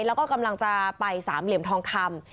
แล้วก็กำลังจะไปสามเหลี่ยมทองคำ